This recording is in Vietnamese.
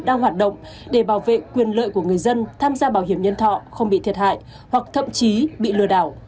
đang hoạt động để bảo vệ quyền lợi của người dân tham gia bảo hiểm nhân thọ không bị thiệt hại hoặc thậm chí bị lừa đảo